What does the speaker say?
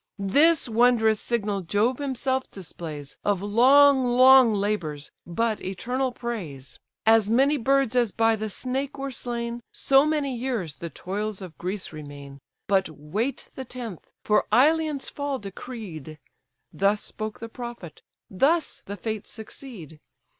This wondrous signal Jove himself displays, Of long, long labours, but eternal praise. As many birds as by the snake were slain, So many years the toils of Greece remain; But wait the tenth, for Ilion's fall decreed:' Thus spoke the prophet, thus the Fates succeed.